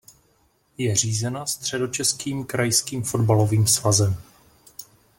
Je řízena Středočeským krajským fotbalovým svazem.